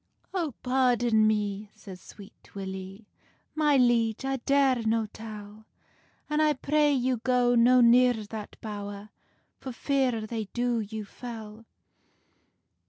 "Oh, pardon me," says Sweet Willie, "My liege, I dare no tell; An I pray you go no near that bowr, For fear they do you fell."